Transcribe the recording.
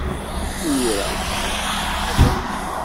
Imir-a, kenwi d iselmaden.